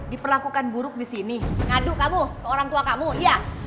diperlakukan buruk disini ngaduk kamu ke orang tua kamu iya